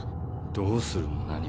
どうするも何も。